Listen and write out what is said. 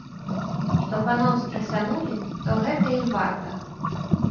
Што паноў страсянулі, то гэта ім варта.